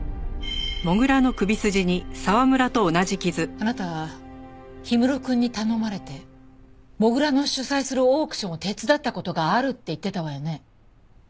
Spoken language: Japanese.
あなた氷室くんに頼まれて土竜の主催するオークションを手伝った事があるって言ってたわよね？